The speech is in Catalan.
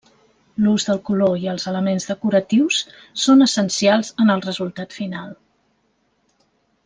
L'ús del color i els elements decoratius són essencials en el resultat final.